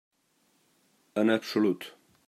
En absolut.